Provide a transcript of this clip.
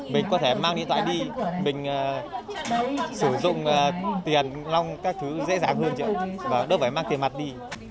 mình mang điện thoại đi mình sử dụng tiền nông các thứ dễ dàng hơn chứ đâu phải mang tiền mặt đi